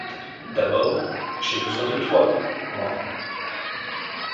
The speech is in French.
D’abord, j’ai besoin de toi, moi.